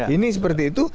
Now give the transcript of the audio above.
ini seperti itu